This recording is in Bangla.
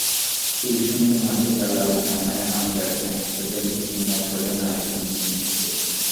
কুলছুমের মাকে দালাল জানায় আমিরাতে হাসপাতালে ক্লিনার পদে নারী শ্রমিক নিচ্ছে।